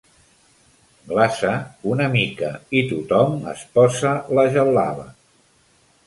Glaça una mica i tothom es posa la gel·laba.